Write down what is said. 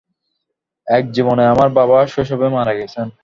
এক জীবনে আমার বাবা শৈশবে মারা গেছেন।